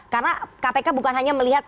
karena kpk bukan hanya melihat